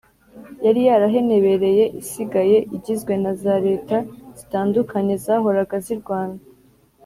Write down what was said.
yari yarahenebereye isigaye igizwe na za leta zitandukanye zahoraga zirwana